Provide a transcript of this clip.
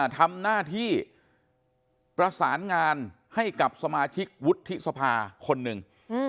๑๐ตำรวจโทษหญิงก